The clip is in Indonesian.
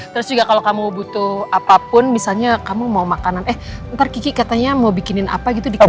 terus juga kalau kamu butuh apapun misalnya kamu mau makanan eh ntar kiki katanya mau bikinin apa gitu di kampung